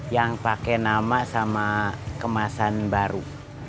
yang pakai nama sama kemasan baru